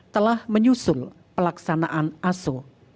telah menyusul pelaksanaan aso